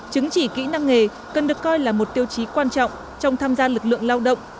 chứng chỉ kỹ năng nghề cần được coi là một tiêu chí quan trọng trong tham gia lực lượng lao động